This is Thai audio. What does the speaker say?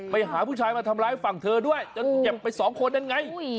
ไปหาผู้ชายมาทำร้ายฝั่งเธอด้วยจนเจ็บไปสองคนนั่นไง